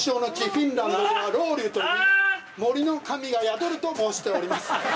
フィンランドではロウリュといい森の神が宿ると申しております。